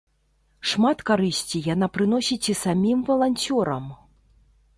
Шмат карысці яна прыносіць і самім валанцёрам!